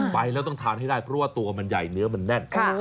ไปแล้วต้องทานให้ได้เพราะว่าตัวมันใหญ่เนื้อมันแน่น